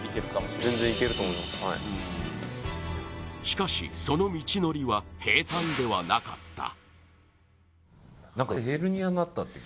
しかし、その道のりは平たんではなかった。